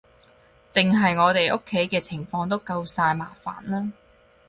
淨係我哋屋企嘅情況都夠晒麻煩喇